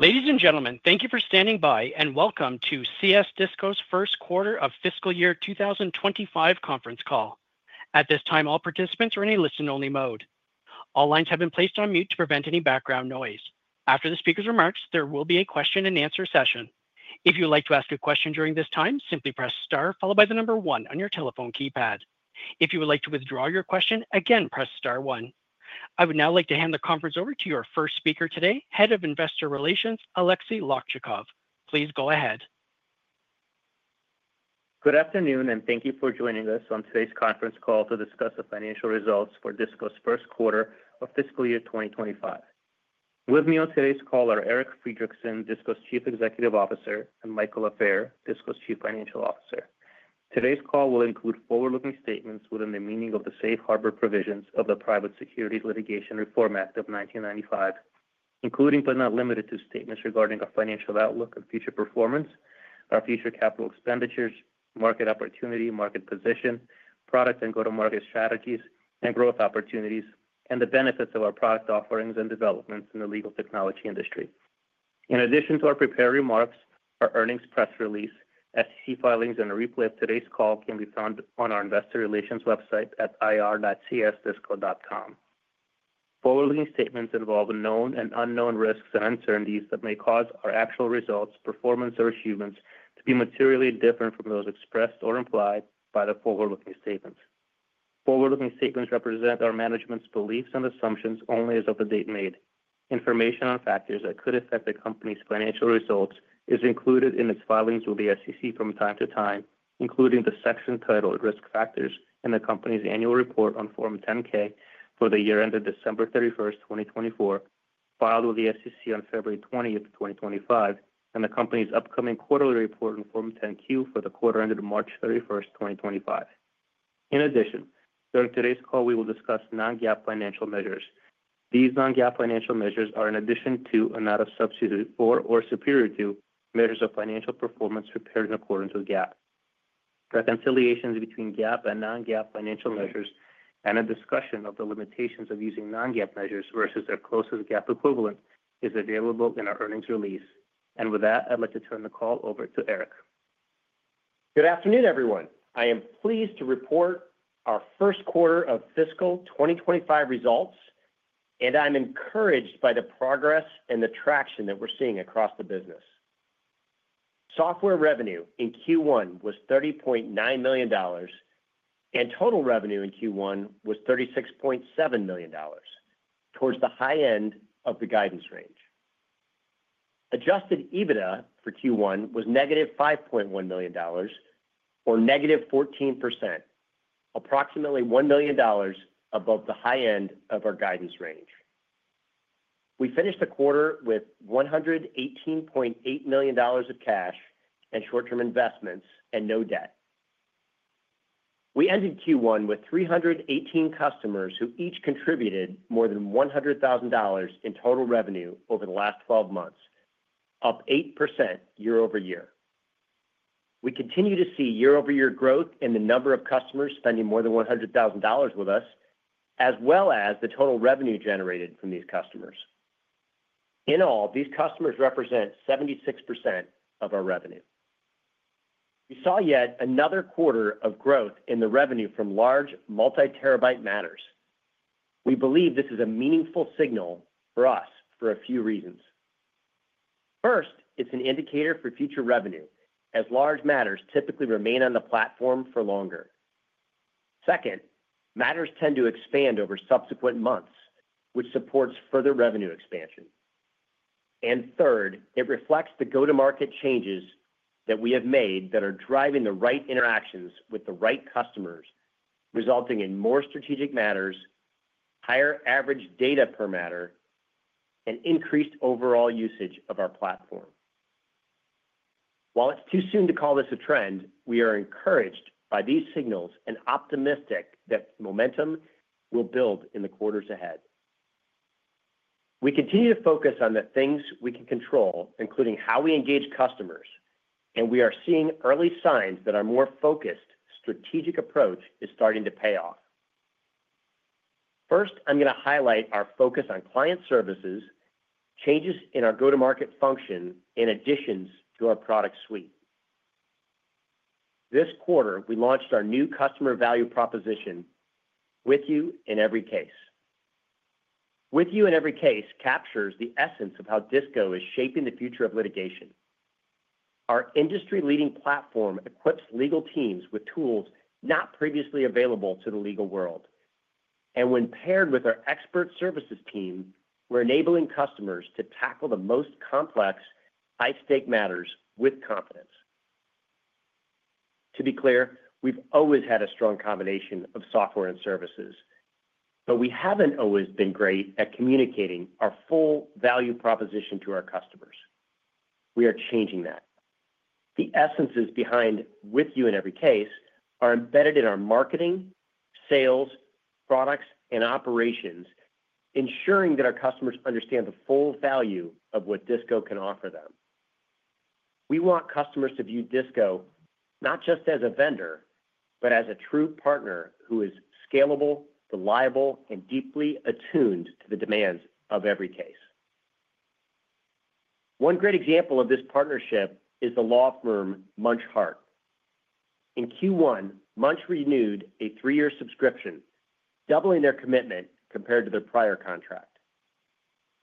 Ladies and gentlemen, thank you for standing by, and welcome to CS Disco's first quarter of fiscal year 2025 conference call. At this time, all participants are in a listen-only mode. All lines have been placed on mute to prevent any background noise. After the speaker's remarks, there will be a question-and-answer session. If you would like to ask a question during this time, simply press star, followed by the number One on your telephone keypad. If you would like to withdraw your question, again, press star one. I would now like to hand the conference over to your first speaker today, Head of Investor Relations, Aleksey Lakchakov. Please go ahead. Good afternoon, and thank you for joining us on today's conference call to discuss the financial results for Disco's first quarter of fiscal year 2025. With me on today's call are Eric Friedrichsen, Disco's Chief Executive Officer, and Michael Lafair, Disco's Chief Financial Officer. Today's call will include forward-looking statements within the meaning of the safe harbor provisions of the Private Securities Litigation Reform Act of 1995, including, but not limited to, statements regarding our financial outlook and future performance, our future capital expenditures, market opportunity, market position, product and go-to-market strategies, and growth opportunities, and the benefits of our product offerings and developments in the legal technology industry. In addition to our prepared remarks, our earnings press release, SEC filings, and a replay of today's call can be found on our investor relations website at ir.csdisco.com. Forward-looking statements involve known and unknown risks and uncertainties that may cause our actual results, performance, or achievements to be materially different from those expressed or implied by the forward-looking statements. Forward-looking statements represent our management's beliefs and assumptions only as of the date made. Information on factors that could affect the company's financial results is included in its filings with the U.S. Securities and Exchange Commission from time to time, including the section titled Risk Factors in the company's annual report on Form 10-K for the year ended December 31st, 2024, filed with the U.S. Securities and Exchange Commission on February 20, 2025, and the company's upcoming quarterly report on Form 10-Q for the quarter ended March 31st, 2025. In addition, during today's call, we will discuss non-GAAP financial measures. These non-GAAP financial measures are in addition to and not a substitute for or superior to measures of financial performance prepared in accordance with GAAP. Reconciliations between GAAP and non-GAAP financial measures and a discussion of the limitations of using non-GAAP measures versus their closest GAAP equivalent is available in our earnings release. With that, I'd like to turn the call over to Eric. Good afternoon, everyone. I am pleased to report our first quarter of fiscal 2025 results, and I'm encouraged by the progress and the traction that we're seeing across the business. Software revenue in Q1 was $30.9 million, and total revenue in Q1 was $36.7 million, towards the high end of the guidance range. Adjusted EBITDA for Q1 was -$5.1 million, or -14%, approximately $1 million above the high end of our guidance range. We finished the quarter with $118.8 million of cash and short-term investments and no debt. We ended Q1 with 318 customers who each contributed more than $100,000 in total revenue over the last 12 months, up 8% year over year. We continue to see year-over-year growth in the number of customers spending more than $100,000 with us, as well as the total revenue generated from these customers. In all, these customers represent 76% of our revenue. We saw yet another quarter of growth in the revenue from large multi-terabyte matters. We believe this is a meaningful signal for us for a few reasons. First, it's an indicator for future revenue, as large matters typically remain on the platform for longer. Second, matters tend to expand over subsequent months, which supports further revenue expansion. Third, it reflects the go-to-market changes that we have made that are driving the right interactions with the right customers, resulting in more strategic matters, higher average data per matter, and increased overall usage of our platform. While it's too soon to call this a trend, we are encouraged by these signals and optimistic that momentum will build in the quarters ahead. We continue to focus on the things we can control, including how we engage customers, and we are seeing early signs that our more focused strategic approach is starting to pay off. First, I'm going to highlight our focus on client services, changes in our go-to-market function, and additions to our product suite. This quarter, we launched our new customer value proposition, "With You in Every Case." "With You in Every Case" captures the essence of how Disco is shaping the future of litigation. Our industry-leading platform equips legal teams with tools not previously available to the legal world. When paired with our expert services team, we're enabling customers to tackle the most complex, high-stake matters with confidence. To be clear, we've always had a strong combination of software and services, but we haven't always been great at communicating our full value proposition to our customers. We are changing that. The essences behind "With You in Every Case" are embedded in our marketing, sales, products, and operations, ensuring that our customers understand the full value of what Disco can offer them. We want customers to view Disco not just as a vendor, but as a true partner who is scalable, reliable, and deeply attuned to the demands of every case. One great example of this partnership is the law firm Munsch Hardt Kopf & Harr. In Q1, Munsch renewed a three-year subscription, doubling their commitment compared to their prior contract.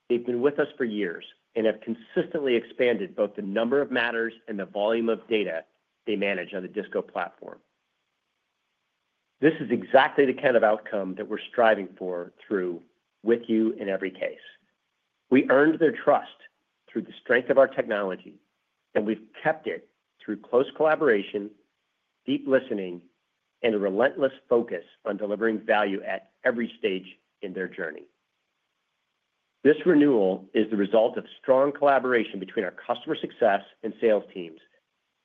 They've been with us for years and have consistently expanded both the number of matters and the volume of data they manage on the Disco platform. This is exactly the kind of outcome that we're striving for through "With You in Every Case." We earned their trust through the strength of our technology, and we've kept it through close collaboration, deep listening, and a relentless focus on delivering value at every stage in their journey. This renewal is the result of strong collaboration between our customer success and sales teams,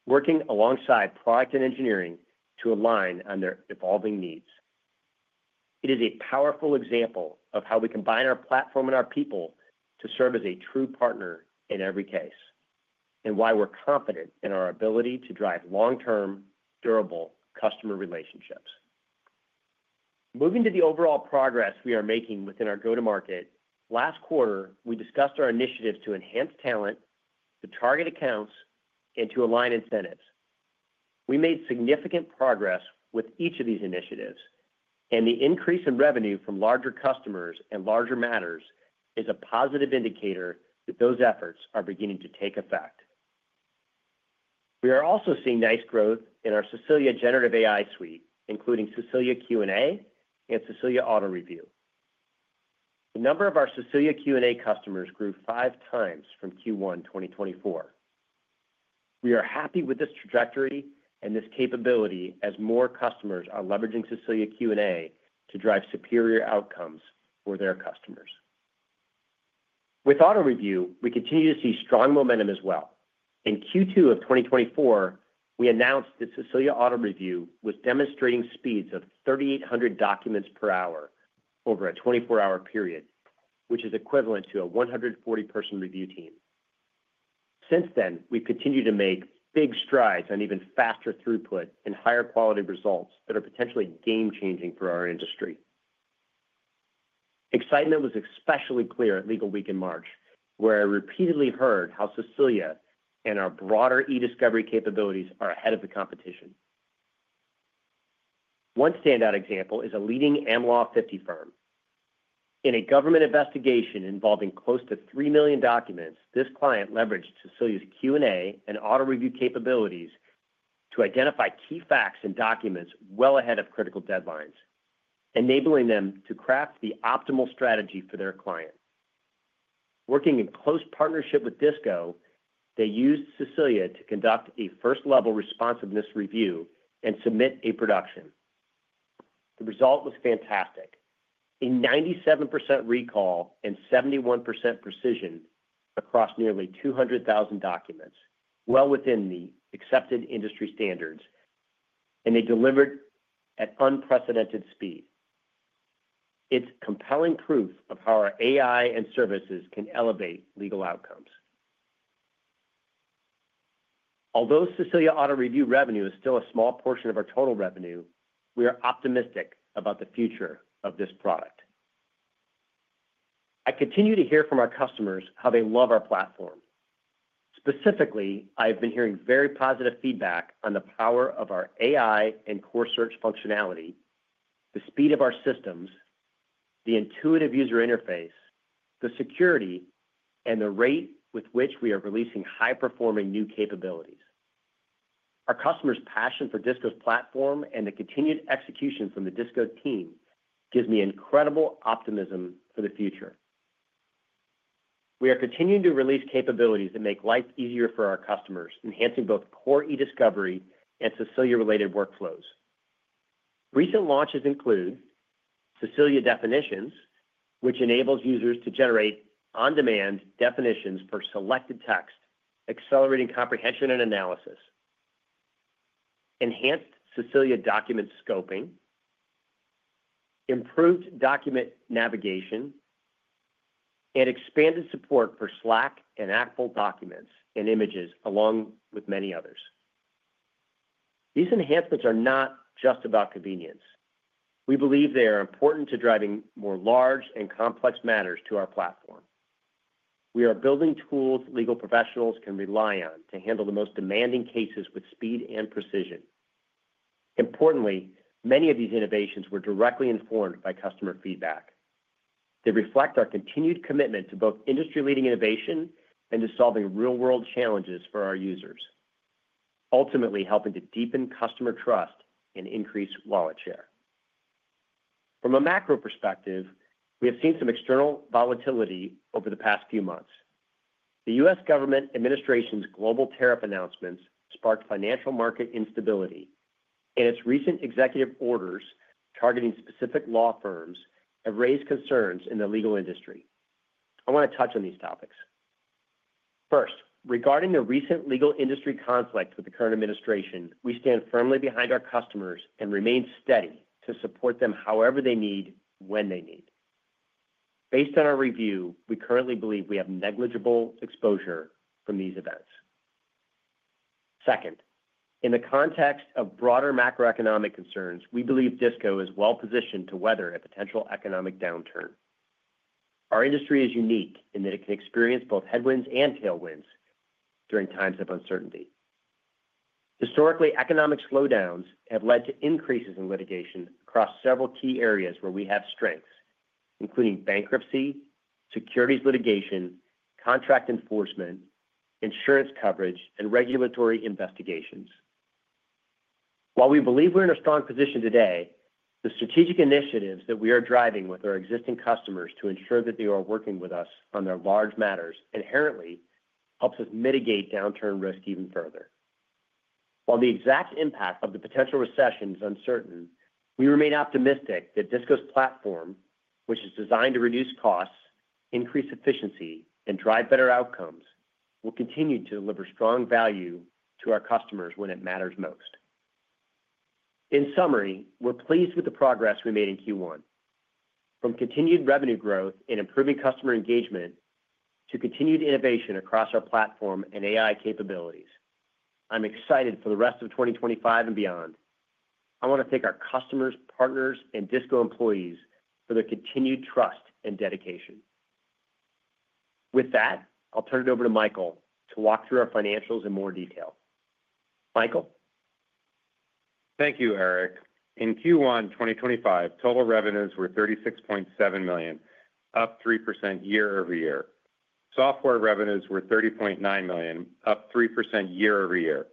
working alongside product and engineering to align on their evolving needs. It is a powerful example of how we combine our platform and our people to serve as a true partner in every case, and why we're confident in our ability to drive long-term, durable customer relationships. Moving to the overall progress we are making within our go-to-market, last quarter, we discussed our initiatives to enhance talent, to target accounts, and to align incentives. We made significant progress with each of these initiatives, and the increase in revenue from larger customers and larger matters is a positive indicator that those efforts are beginning to take effect. We are also seeing nice growth in our Cecilia Generative AI suite, including Cecilia Q&A and Cecilia Autoreview. The number of our Cecilia Q&A customers grew five times from Q1 2024. We are happy with this trajectory and this capability as more customers are leveraging Cecilia Q&A to drive superior outcomes for their customers. With Autoreview, we continue to see strong momentum as well. In Q2 of 2024, we announced that Cecilia Autoreview was demonstrating speeds of 3,800 documents per hour over a 24-hour period, which is equivalent to a 140-person review team. Since then, we've continued to make big strides on even faster throughput and higher quality results that are potentially game-changing for our industry. Excitement was especially clear at Legalweek in March, where I repeatedly heard how Cecilia and our broader eDiscovery capabilities are ahead of the competition. One standout example is a leading AmLaw 50 firm. In a government investigation involving close to 3 million documents, this client leveraged Cecilia's Q&A and Autoreview capabilities to identify key facts and documents well ahead of critical deadlines, enabling them to craft the optimal strategy for their client. Working in close partnership with Disco, they used Cecilia to conduct a first-level responsiveness review and submit a production. The result was fantastic, a 97% recall and 71% precision across nearly 200,000 documents, well within the accepted industry standards, and they delivered at unprecedented speed. It's compelling proof of how our AI and services can elevate legal outcomes. Although Cecilia Autoreview revenue is still a small portion of our total revenue, we are optimistic about the future of this product. I continue to hear from our customers how they love our platform. Specifically, I have been hearing very positive feedback on the power of our AI and Core Search functionality, the speed of our systems, the intuitive user interface, the security, and the rate with which we are releasing high-performing new capabilities. Our customers' passion for Disco's platform and the continued execution from the Disco team gives me incredible optimism for the future. We are continuing to release capabilities that make life easier for our customers, enhancing both core eDiscovery and Cecilia-related workflows. Recent launches include Cecilia Definitions, which enables users to generate on-demand definitions for selected text, accelerating comprehension and analysis, enhanced Cecilia Document Scoping, improved document navigation, and expanded support for Slack and Apple documents and images, along with many others. These enhancements are not just about convenience. We believe they are important to driving more large and complex matters to our platform. We are building tools legal professionals can rely on to handle the most demanding cases with speed and precision. Importantly, many of these innovations were directly informed by customer feedback. They reflect our continued commitment to both industry-leading innovation and to solving real-world challenges for our users, ultimately helping to deepen customer trust and increase wallet share. From a macro perspective, we have seen some external volatility over the past few months. The U.S. Government administration's global tariff announcements sparked financial market instability, and its recent executive orders targeting specific law firms have raised concerns in the legal industry. I want to touch on these topics. First, regarding the recent legal industry conflict with the current administration, we stand firmly behind our customers and remain steady to support them however they need, when they need. Based on our review, we currently believe we have negligible exposure from these events. Second, in the context of broader macroeconomic concerns, we believe Disco is well-positioned to weather a potential economic downturn. Our industry is unique in that it can experience both headwinds and tailwinds during times of uncertainty. Historically, economic slowdowns have led to increases in litigation across several key areas where we have strengths, including bankruptcy, securities litigation, contract enforcement, insurance coverage, and regulatory investigations. While we believe we're in a strong position today, the strategic initiatives that we are driving with our existing customers to ensure that they are working with us on their large matters inherently helps us mitigate downturn risk even further. While the exact impact of the potential recession is uncertain, we remain optimistic that Disco's platform, which is designed to reduce costs, increase efficiency, and drive better outcomes, will continue to deliver strong value to our customers when it matters most. In summary, we're pleased with the progress we made in Q1. From continued revenue growth and improving customer engagement to continued innovation across our platform and AI capabilities, I'm excited for the rest of 2025 and beyond. I want to thank our customers, partners, and Disco employees for their continued trust and dedication. With that, I'll turn it over to Michael to walk through our financials in more detail. Michael? Thank you, Eric. In Q1 2025, total revenues were $36.7 million, up 3% year over year. Software revenues were $30.9 million, up 3% year over year.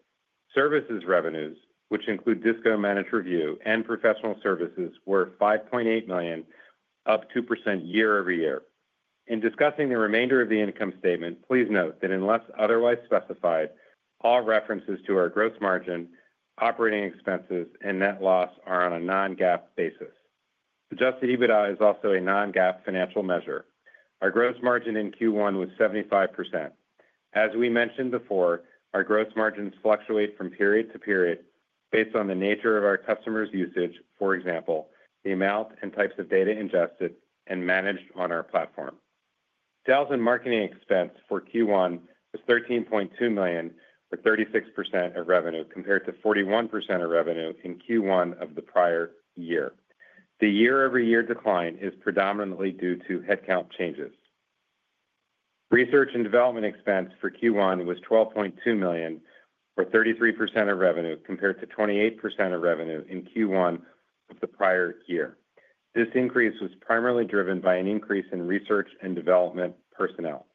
Services revenues, which include Disco Managed Review and Professional Services, were $5.8 million, up 2% year over year. In discussing the remainder of the income statement, please note that unless otherwise specified, all references to our gross margin, operating expenses, and net loss are on a non-GAAP basis. Adjusted EBITDA is also a non-GAAP financial measure. Our gross margin in Q1 was 75%. As we mentioned before, our gross margins fluctuate from period to period based on the nature of our customers' usage, for example, the amount and types of data ingested and managed on our platform. Sales and marketing expense for Q1 was $13.2 million, or 36% of revenue, compared to 41% of revenue in Q1 of the prior year. The year-over-year decline is predominantly due to headcount changes. Research and development expense for Q1 was $12.2 million, or 33% of revenue, compared to 28% of revenue in Q1 of the prior year. This increase was primarily driven by an increase in research and development personnel.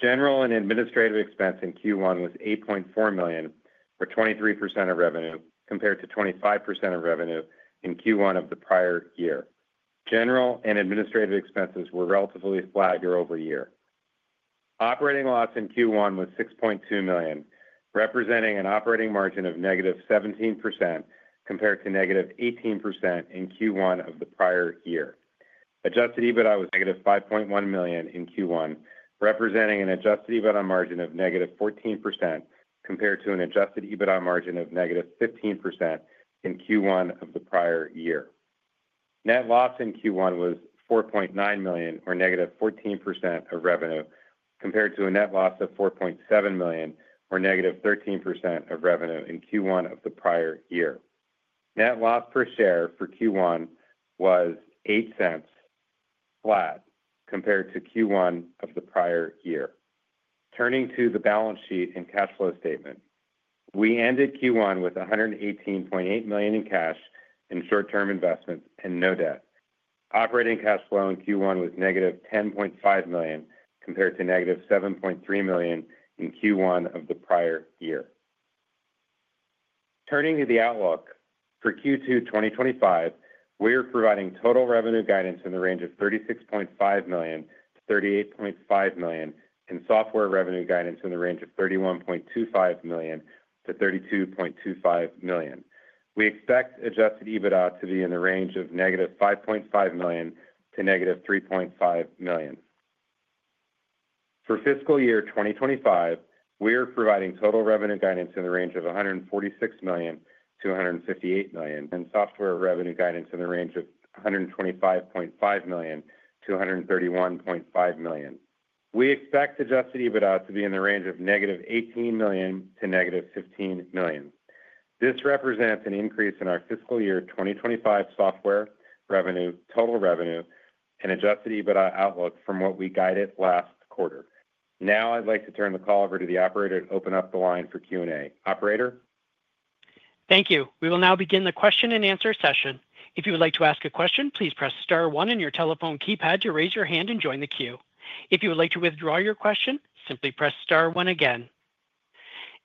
General and administrative expense in Q1 was $8.4 million, or 23% of revenue, compared to 25% of revenue in Q1 of the prior year. General and administrative expenses were relatively flat year-over-year. Operating loss in Q1 was $6.2 million, representing an operating margin of negative 17% compared to negative 18% in Q1 of the prior year. Adjusted EBITDA was -$5.1 million in Q1, representing an adjusted EBITDA margin of -14% compared to an adjusted EBITDA margin of -15% in Q1 of the prior year. Net loss in Q1 was $4.9 million, or -14% of revenue, compared to a net loss of $4.7 million, or -13% of revenue in Q1 of the prior year. Net loss per share for Q1 was $0.08, flat, compared to Q1 of the prior year. Turning to the balance sheet and cash flow statement, we ended Q1 with $118.8 million in cash and short-term investments and no debt. Operating cash flow in Q1 was -$10.5 million compared to -$7.3 million in Q1 of the prior year. Turning to the outlook for Q2 2025, we are providing total revenue guidance in the range of $36.5 million-$38.5 million and software revenue guidance in the range of $31.25 million to $32.25 million. We expect adjusted EBITDA to be in the range of -$5.5 million to -$3.5 million. For fiscal year 2025, we are providing total revenue guidance in the range of $146 million to $158 million and software revenue guidance in the range of $125.5 million to $131.5 million. We expect adjusted EBITDA to be in the range of negative $18 million-negative $15 million. This represents an increase in our fiscal year 2025 software revenue, total revenue, and adjusted EBITDA outlook from what we guided last quarter. Now, I'd like to turn the call over to the operator to open up the line for Q&A. Operator? Thank you. We will now begin the question and answer session. If you would like to ask a question, please press star one on your telephone keypad to raise your hand and join the queue. If you would like to withdraw your question, simply press star one again.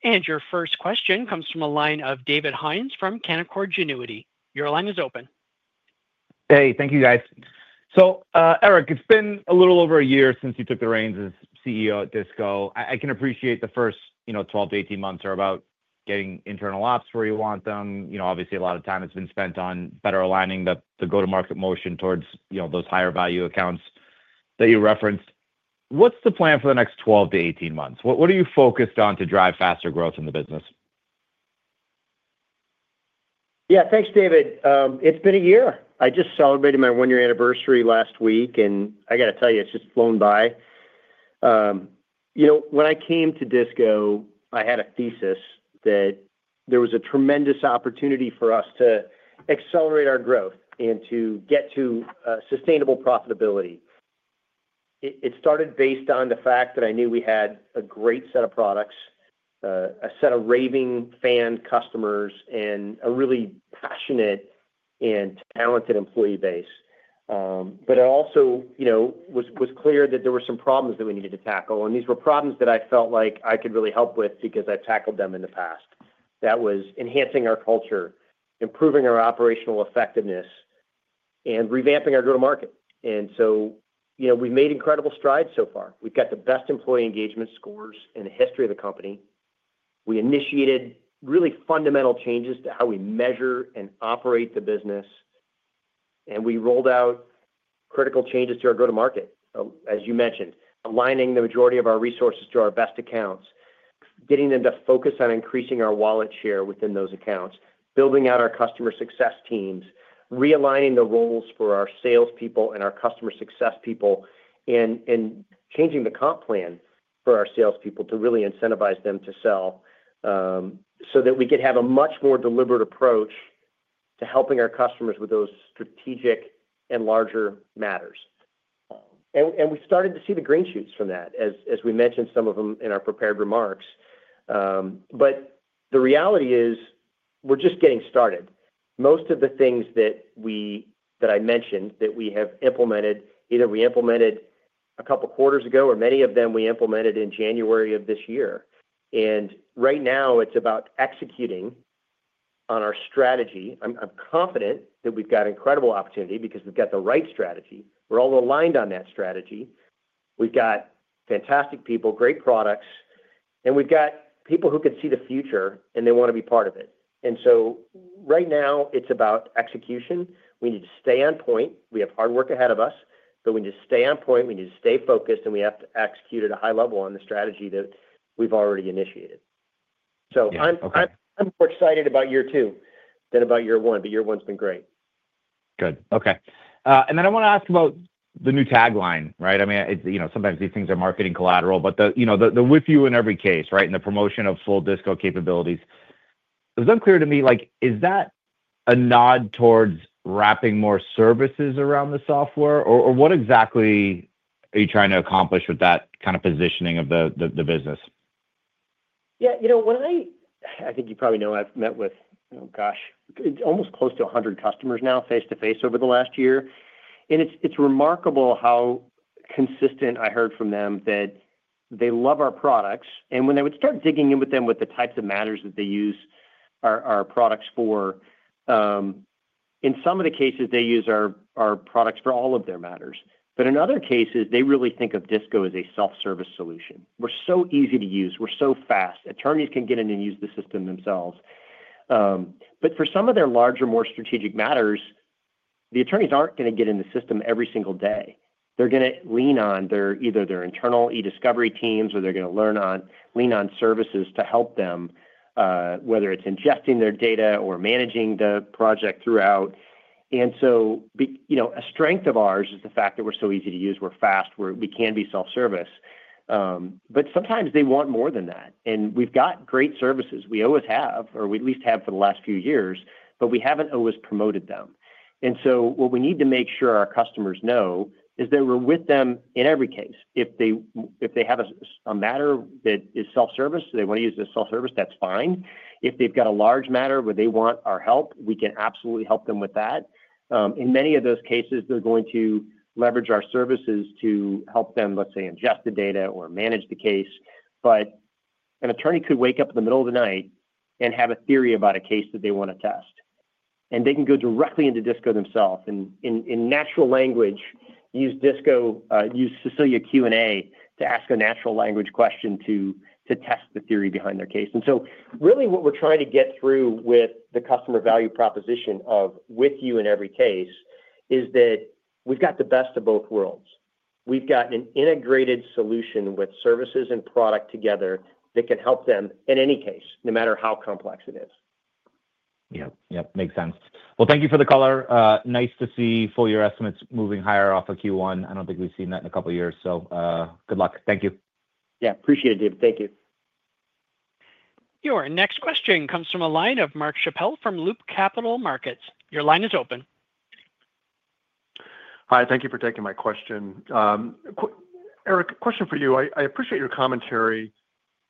Your first question comes from a line of David Hynes from Canaccord Genuity. Your line is open. Hey, thank you, guys. Eric, it's been a little over a year since you took the reins as CEO at Disco. I can appreciate the first 12 to 18 months are about getting internal ops where you want them. Obviously, a lot of time has been spent on better aligning the go-to-market motion towards those higher-value accounts that you referenced. What's the plan for the next 12 to 18 months? What are you focused on to drive faster growth in the business? Yeah, thanks, David. It's been a year. I just celebrated my one-year anniversary last week, and I got to tell you, it's just flown by. When I came to Disco, I had a thesis that there was a tremendous opportunity for us to accelerate our growth and to get to sustainable profitability. It started based on the fact that I knew we had a great set of products, a set of raving fan customers, and a really passionate and talented employee base. It also was clear that there were some problems that we needed to tackle. These were problems that I felt like I could really help with because I've tackled them in the past. That was enhancing our culture, improving our operational effectiveness, and revamping our go-to-market. We have made incredible strides so far. We have got the best employee engagement scores in the history of the company. We initiated really fundamental changes to how we measure and operate the business, and we rolled out critical changes to our go-to-market, as you mentioned, aligning the majority of our resources to our best accounts, getting them to focus on increasing our wallet share within those accounts, building out our customer success teams, realigning the roles for our salespeople and our customer success people, and changing the comp plan for our salespeople to really incentivize them to sell so that we could have a much more deliberate approach to helping our customers with those strategic and larger matters. We started to see the green shoots from that, as we mentioned some of them in our prepared remarks. The reality is we're just getting started. Most of the things that I mentioned that we have implemented, either we implemented a couple of quarters ago or many of them we implemented in January of this year. Right now, it's about executing on our strategy. I'm confident that we've got incredible opportunity because we've got the right strategy. We're all aligned on that strategy. We've got fantastic people, great products, and we've got people who can see the future, and they want to be part of it. Right now, it's about execution. We need to stay on point. We have hard work ahead of us, but we need to stay on point. We need to stay focused, and we have to execute at a high level on the strategy that we've already initiated. I'm more excited about year two than about year one, but year one's been great. Good. Okay. I want to ask about the new tagline, right? I mean, sometimes these things are marketing collateral, but the with you in every case, right, and the promotion of full Disco capabilities. It was unclear to me, is that a nod towards wrapping more services around the software, or what exactly are you trying to accomplish with that kind of positioning of the business? Yeah. I think you probably know I've met with, gosh, almost close to 100 customers now face-to-face over the last year. It's remarkable how consistent I heard from them that they love our products. When I would start digging in with them with the types of matters that they use our products for, in some of the cases, they use our products for all of their matters. In other cases, they really think of Disco as a self-service solution. We're so easy to use. We're so fast. Attorneys can get in and use the system themselves. For some of their larger, more strategic matters, the attorneys are not going to get in the system every single day. They are going to lean on either their internal eDiscovery teams, or they are going to lean on services to help them, whether it is ingesting their data or managing the project throughout. A strength of ours is the fact that we are so easy to use. We are fast. We can be self-service. Sometimes they want more than that. We have great services. We always have, or we at least have for the last few years, but we have not always promoted them. What we need to make sure our customers know is that we are with them in every case. If they have a matter that is self-service, they want to use the self-service, that's fine. If they've got a large matter where they want our help, we can absolutely help them with that. In many of those cases, they're going to leverage our services to help them, let's say, ingest the data or manage the case. An attorney could wake up in the middle of the night and have a theory about a case that they want to test. They can go directly into Disco themselves and in natural language use Cecilia Q&A to ask a natural language question to test the theory behind their case. What we're trying to get through with the customer value proposition of with you in every case is that we've got the best of both worlds. We've got an integrated solution with services and product together that can help them in any case, no matter how complex it is. Yep. Yep. Makes sense. Thank you for the caller. Nice to see full year estimates moving higher off of Q1. I don't think we've seen that in a couple of years. Good luck. Thank you. Yeah. Appreciate it, David. Thank you. Your next question comes from a line of Mark Schappel from Loop Capital Markets. Your line is open. Hi. Thank you for taking my question. Eric, question for you. I appreciate your commentary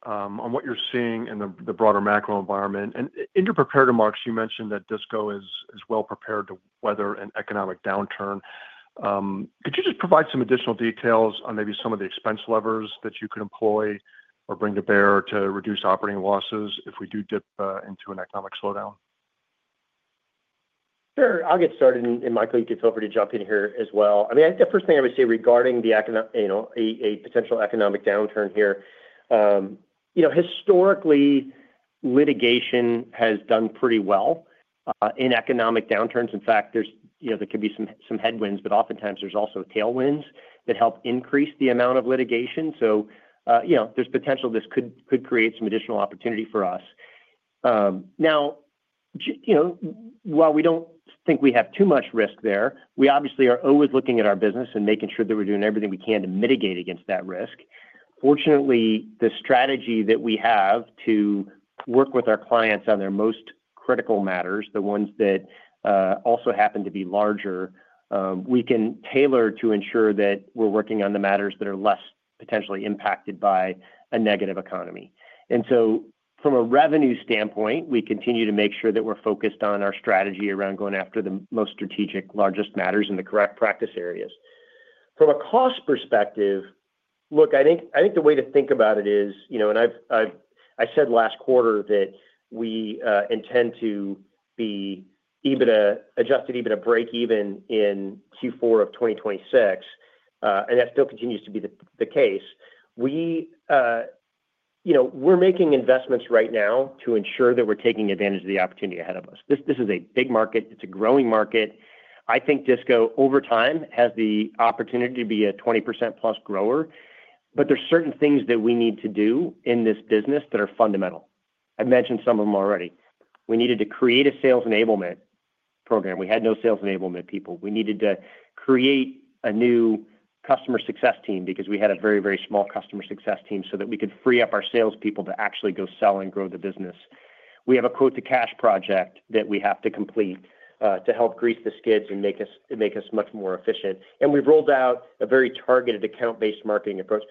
on what you're seeing in the broader macro environment. In your prepared remarks, you mentioned that Disco is well prepared to weather an economic downturn. Could you just provide some additional details on maybe some of the expense levers that you could employ or bring to bear to reduce operating losses if we do dip into an economic slowdown? Sure. I'll get started. Michael, you can feel free to jump in here as well. I mean, I think the first thing I would say regarding a potential economic downturn here, historically, litigation has done pretty well in economic downturns. In fact, there could be some headwinds, but oftentimes there's also tailwinds that help increase the amount of litigation. There's potential this could create some additional opportunity for us. Now, while we don't think we have too much risk there, we obviously are always looking at our business and making sure that we're doing everything we can to mitigate against that risk. Fortunately, the strategy that we have to work with our clients on their most critical matters, the ones that also happen to be larger, we can tailor to ensure that we're working on the matters that are less potentially impacted by a negative economy. From a revenue standpoint, we continue to make sure that we're focused on our strategy around going after the most strategic, largest matters in the correct practice areas. From a cost perspective, look, I think the way to think about it is, and I said last quarter that we intend to be adjusted EBITDA break-even in Q4 of 2026, and that still continues to be the case. We're making investments right now to ensure that we're taking advantage of the opportunity ahead of us. This is a big market. It's a growing market. I think Disco, over time, has the opportunity to be a 20%+ grower. There are certain things that we need to do in this business that are fundamental. I've mentioned some of them already. We needed to create a sales enablement program. We had no sales enablement people. We needed to create a new customer success team because we had a very, very small customer success team so that we could free up our salespeople to actually go sell and grow the business. We have a quote-to-cash project that we have to complete to help grease the skids and make us much more efficient. We have rolled out a very targeted account-based marketing approach.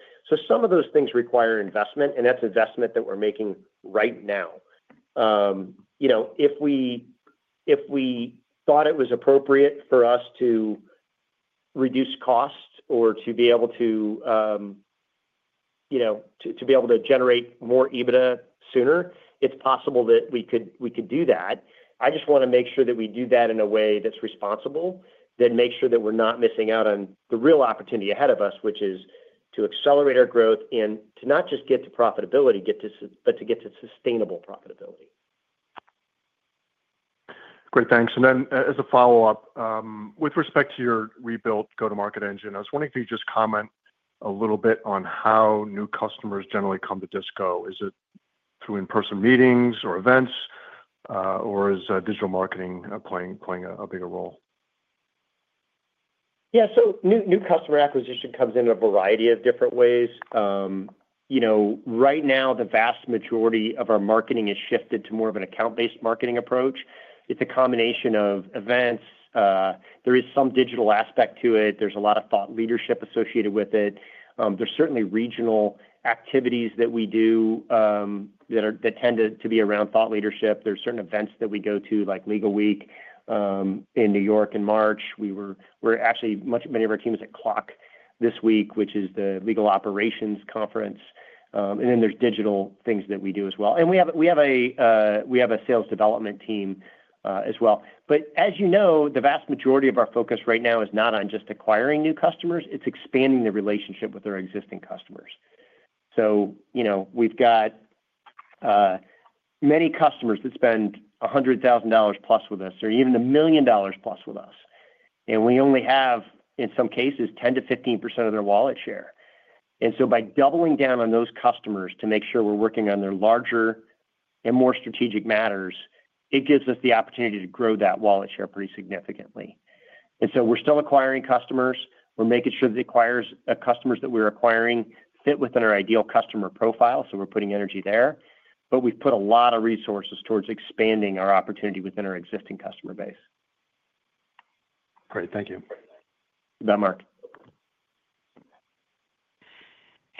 Some of those things require investment, and that's investment that we're making right now. If we thought it was appropriate for us to reduce costs or to be able to generate more EBITDA sooner, it's possible that we could do that. I just want to make sure that we do that in a way that's responsible, then make sure that we're not missing out on the real opportunity ahead of us, which is to accelerate our growth and to not just get to profitability, but to get to sustainable profitability. Great. Thanks. As a follow-up, with respect to your rebuilt go-to-market engine, I was wondering if you could just comment a little bit on how new customers generally come to Disco. Is it through in-person meetings or events, or is digital marketing playing a bigger role? Yeah. New customer acquisition comes in a variety of different ways. Right now, the vast majority of our marketing is shifted to more of an account-based marketing approach. It's a combination of events. There is some digital aspect to it. There's a lot of thought leadership associated with it. There's certainly regional activities that we do that tend to be around thought leadership. There are certain events that we go to, like Legalweek in New York in March. We're actually, many of our teams are at CLOCK this week, which is the legal operations conference. There are digital things that we do as well. We have a sales development team as well. As you know, the vast majority of our focus right now is not on just acquiring new customers. It's expanding the relationship with our existing customers. We've got many customers that spend $100,000-plus with us or even $1 million-plus with us. We only have, in some cases, 10%-15% of their wallet share. By doubling down on those customers to make sure we're working on their larger and more strategic matters, it gives us the opportunity to grow that wallet share pretty significantly. We're still acquiring customers. We're making sure that the customers that we're acquiring fit within our ideal customer profile. We're putting energy there. We've put a lot of resources towards expanding our opportunity within our existing customer base. Great. Thank you. You bet, Mark.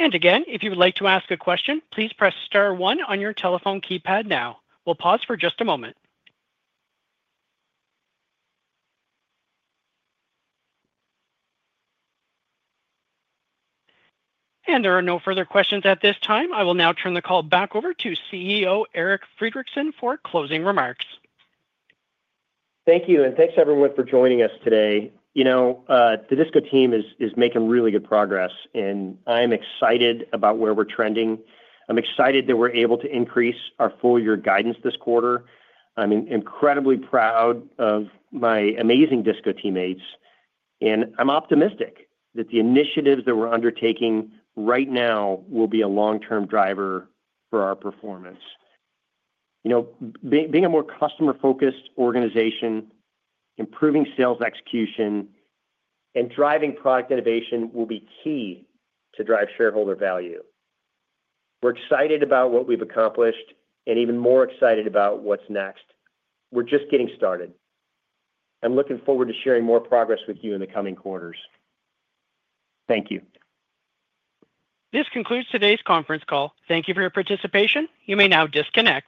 If you would like to ask a question, please press star one on your telephone keypad now. We'll pause for just a moment. There are no further questions at this time. I will now turn the call back over to CEO Eric Friedrichsen for closing remarks. Thank you. Thanks, everyone, for joining us today. The Disco team is making really good progress, and I'm excited about where we're trending. I'm excited that we're able to increase our full year guidance this quarter. I'm incredibly proud of my amazing Disco teammates, and I'm optimistic that the initiatives that we're undertaking right now will be a long-term driver for our performance. Being a more customer-focused organization, improving sales execution, and driving product innovation will be key to drive shareholder value. We're excited about what we've accomplished and even more excited about what's next. We're just getting started. I'm looking forward to sharing more progress with you in the coming quarters. Thank you. This concludes today's conference call. Thank you for your participation. You may now disconnect.